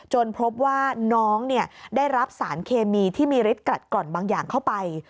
พบว่าน้องได้รับสารเคมีที่มีฤทธิกรัดกร่อนบางอย่างเข้าไป